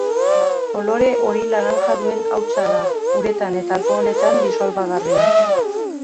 Kolore hori-laranja duen hautsa da, uretan eta alkoholetan disolbagarria.